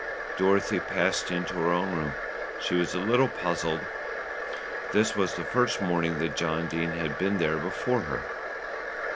Dorothy passed into her own room. She was a little puzzled. This was the first morning that John Dene had been there before her.